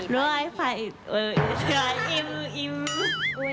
เพอร์เฟคค่ะ